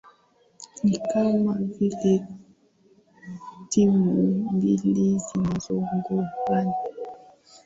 ni kama vile timu mbili zinazogongana